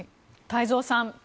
太蔵さん